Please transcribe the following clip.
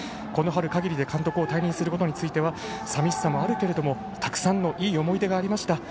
この春かぎりで監督を退任することについては寂しさもあるけれどもたくさんのいい思い出がありました。